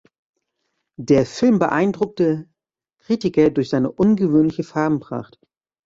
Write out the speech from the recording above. Der Film beeindruckte Kritiker durch seine ungewöhnliche Farbenpracht.